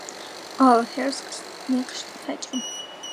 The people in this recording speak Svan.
ალ ჰერსკნს ნეჴშდ ხაჭიმ.